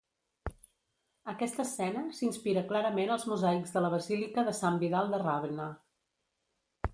Aquesta escena s'inspira clarament als mosaics de la basílica de Sant Vidal de Ravenna.